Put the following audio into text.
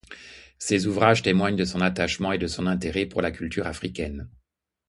Ces ouvrages témoignent de son attachement et de son intérêt pour la culture africaine.